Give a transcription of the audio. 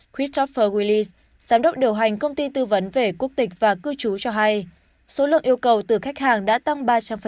christopher willis giám đốc điều hành công ty tư vấn về quốc tịch và cư trú cho hay số lượng yêu cầu từ khách hàng đã tăng ba trăm linh